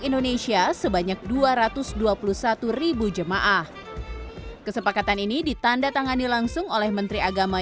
indonesia sebanyak dua ratus dua puluh satu jemaah kesepakatan ini ditanda tangani langsung oleh menteri agama